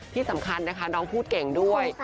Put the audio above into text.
ที่สำคัญนะคะน้องพูดเก่งด้วย